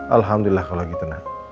alhamdulillah kalau gitu ma